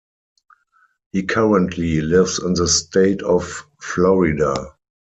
He currently lives in the state of Florida.